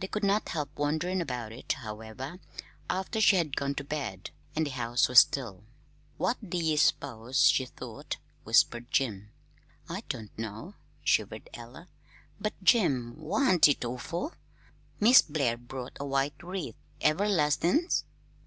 They could not help wondering about it, however, after she had gone to bed, and the house was still. "What do ye s'pose she thought?" whispered Jim. "I don't know," shivered Ella, "but, Jim, wan't it awful? Mis' Blair brought a white wreath everlastin's!"